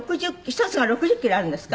１つが６０キロあるんですか？